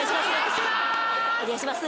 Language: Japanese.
お願いします。